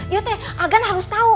iya agan harus tahu